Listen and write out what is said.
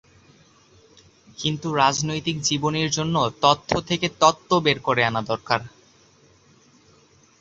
কিন্তু রাজনৈতিক জীবনীর জন্য তথ্য থেকে তত্ত্ব বের করে আনা দরকার।